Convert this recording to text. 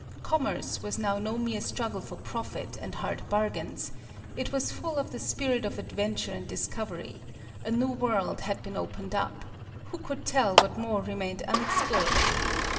Commerce was now no mere struggle for profit and hard bargains; it was full of the spirit of adventure and discovery; a new world had been opened up; who could tell what more remained unexplored?